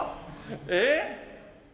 えっ！？